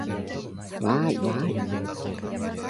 わーいわーい